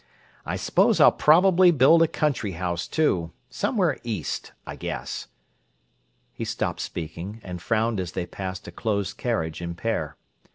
I suppose I'll probably build a country house, too—somewhere East, I guess." He stopped speaking, and frowned as they passed a closed carriage and pair.